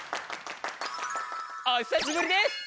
お久しぶりです！